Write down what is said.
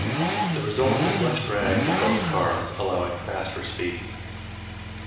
The result is less drag for both cars, allowing faster speeds.